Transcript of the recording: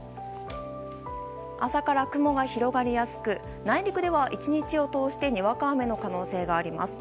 朝から雲が広がりやすく内陸では１日を通してにわか雨の可能性があります。